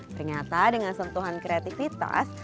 ternyata dengan sentuhan kreatifitas